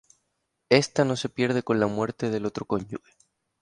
Ésta no se pierde con la muerte del otro cónyuge.